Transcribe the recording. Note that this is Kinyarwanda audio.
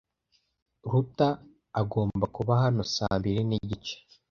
Ruta agomba kuba hano saa mbiri nigice.